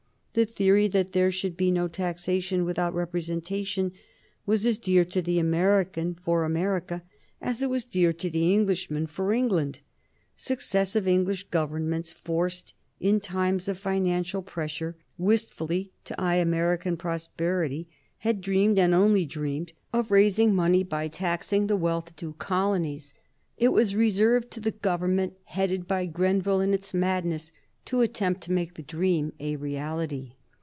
The theory that there should be no taxation without representation was as dear to the American for America as it was dear to the Englishman for England. Successive English Governments, forced in times of financial pressure wistfully to eye American prosperity, had dreamed, and only dreamed, of raising money by taxing the well to do colonies. It was reserved to the Government headed by Grenville, in its madness, to attempt to make the dream a reality.